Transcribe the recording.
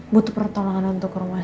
butuh pertolongan untuk rumah